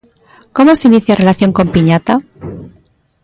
Como se inicia a relación con Piñata?